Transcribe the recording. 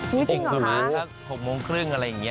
นี่จริงเหรอคะอุ๊คสรุถ้า๖โมงครึ่งอะไรอย่างนี้